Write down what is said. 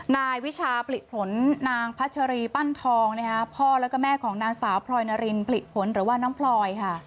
นายวิชาผลิผลนางพัชรีปั้นทองพ่อแล้วก็แม่ของนางสาวพลอยนารินผลิผลหรือว่าน้องพลอยค่ะ